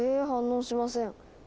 反応しません。